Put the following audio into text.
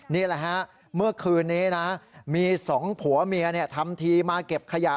นี่แหละฮะเมื่อคืนนี้นะมีสองผัวเมียทำทีมาเก็บขยะ